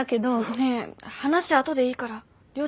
ねえ話あとでいいからりょー